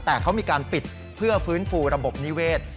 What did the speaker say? แต่เขามีการปิดเพื่อฟื้นฟูระบบนิเวศ